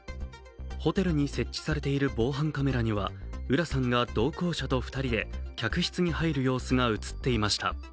ホテルに設置されている防犯カメラには、浦さんが同行者と２人で客室に入る様子が映っていました。